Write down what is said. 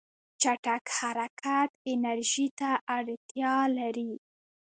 چټک حرکت انرژي ته اړتیا لري.